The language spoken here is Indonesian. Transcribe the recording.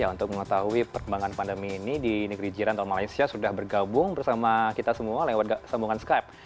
untuk mengetahui perkembangan pandemi ini di negeri jiran tahun malaysia sudah bergabung bersama kita semua lewat sambungan skype